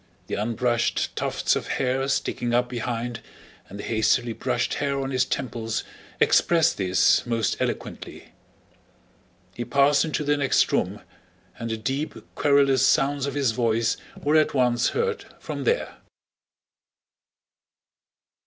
The unbrushed tufts of hair sticking up behind and the hastily brushed hair on his temples expressed this most eloquently. He passed into the next room, and the deep, querulous sounds of his voice were at once heard from there.